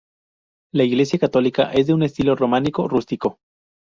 La iglesia católica es de un estilo románico rústico.